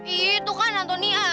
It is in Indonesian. itu kan antonia